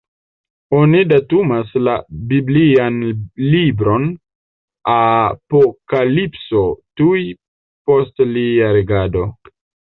Oni datumas la biblian libron Apokalipso tuj post lia regado.